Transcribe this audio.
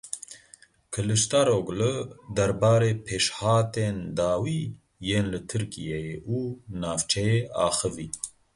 Kiliçdaroglu derbarê pêşhatên dawî yên li Tirkiyeyê û navçeyê axivî.